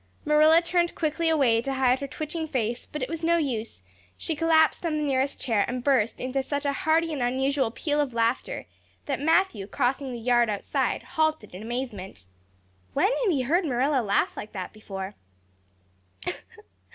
Marilla turned quickly away to hide her twitching face; but it was no use; she collapsed on the nearest chair and burst into such a hearty and unusual peal of laughter that Matthew, crossing the yard outside, halted in amazement. When had he heard Marilla laugh like that before?